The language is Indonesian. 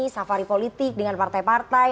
safari politik dengan partai partai